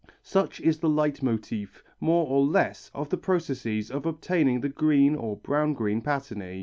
Such is the leitmotiv, more or less, of the processes for obtaining the green or brown green patinæ.